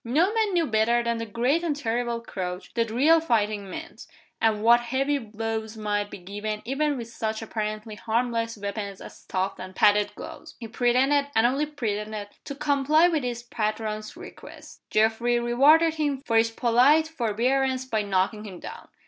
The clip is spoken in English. No man knew better than the great and terrible Crouch what real fighting meant, and what heavy blows might be given even with such apparently harmless weapons as stuffed and padded gloves. He pretended, and only pretended, to comply with his patron's request. Geoffrey rewarded him for his polite forbearance by knocking him down.